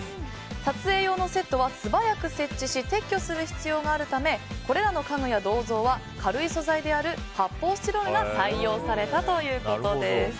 撮影用のセットは素早く設置し撤去する必要があるためこれらの家具や銅像は軽い素材である発泡スチロールが採用されたということです。